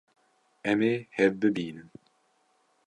Em ê hev bibînin.